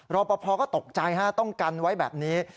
รอปภก็ตกใจฮะต้องกันไว้แบบนี้